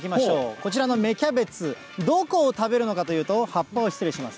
こちらの芽キャベツ、どこを食べるのかというと、葉っぱを失礼します。